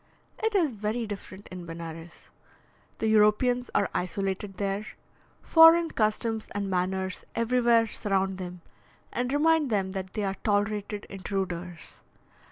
It is very different in Benares. The Europeans are isolated there; foreign customs and manners everywhere surround them, and remind them that they are tolerated intruders.